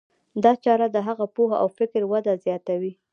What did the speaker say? دا چاره د هغه پوهه او فکري وده زیاتوي.